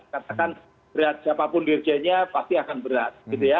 katakan berat siapapun dirinya pasti akan berat